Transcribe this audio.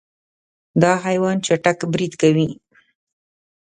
دا حیوان چټک برید کوي.